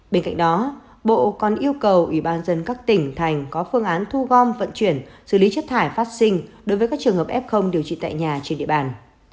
bên cạnh đó bộ còn yêu cầu ủy ban dân các tỉnh thành có phương án thu gom vận chuyển xử lý chất thải phát sinh đối với các trường hợp f điều trị tại nhà trên địa bàn